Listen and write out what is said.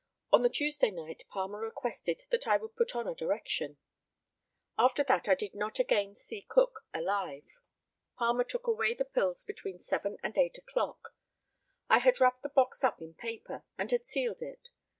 On the Tuesday night Palmer requested that I would put on a direction. After that I did not again see Cook alive. Palmer took away the pills between seven and eight o'clock. I had wrapped the box up in paper, and had sealed it.